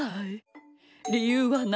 りゆうはないの。